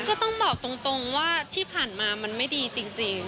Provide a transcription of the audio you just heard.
ก็ต้องบอกตรงว่าที่ผ่านมามันไม่ดีจริง